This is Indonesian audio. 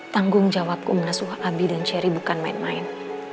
tanggung jawabku mengasuh abi dan cherry bukan main main